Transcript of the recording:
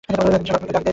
Mr গডবিকে ডাক দে তো।